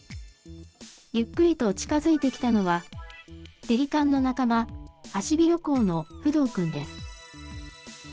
ゆっくりと近づいてきたのは、ペリカンの仲間、ハシビロコウのフドウくんです。